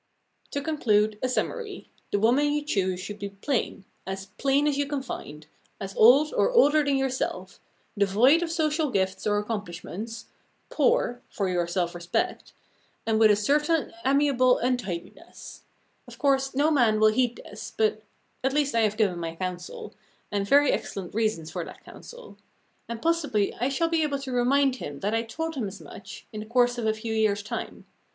To conclude, a summary. The woman you choose should be plain, as plain as you can find, as old or older than yourself, devoid of social gifts or accomplishments, poor for your self respect and with a certain amiable untidiness. Of course no young man will heed this, but at least I have given my counsel, and very excellent reasons for that counsel. And possibly I shall be able to remind him that I told him as much, in the course of a few years' time.